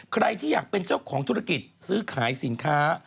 ใครที่อยากเป็นเจ้าของธุรกิจซื้อขายสินค้า